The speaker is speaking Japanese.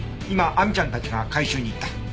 今亜美ちゃんたちが回収に行った。